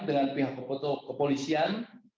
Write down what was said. dengan pihak kepolisian